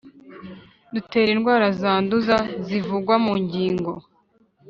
Dutera indwara zanduza zivugwa mu ngingo